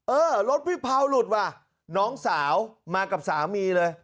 เออรถพี่เผาหลุดว่ะน้องสาวมากับสามีเลย